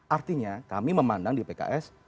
artinya kami memandang di pks